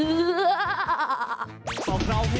เออ